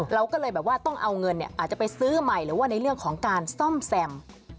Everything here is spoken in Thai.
เราก็เลยแบบว่าต้องเอาเงินอาจจะไปซื้อใหม่หรือว่าในเรื่องของการซ่อมแซม